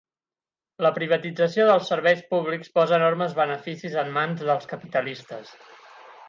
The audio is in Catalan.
La privatització dels serveis públics posa enormes beneficis en mans dels capitalistes.